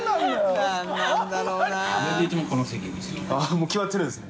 もう決まってるんですね。